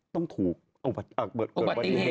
ต้องถูกอุบัติเหตุ